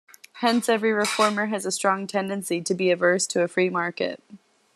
Hence every reformer has a strong tendency to be averse to a free market.